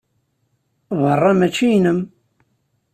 Berra mačči inem.